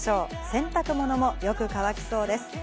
洗濯物もよく乾きそうです。